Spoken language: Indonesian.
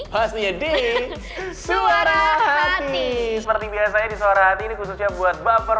pasti jadi suara hati seperti biasanya disuruh hati ini khususnya buat baper